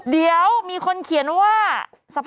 ช่องเก้ามาอโศก